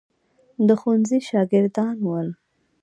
د ښوونځي شاګردان ول.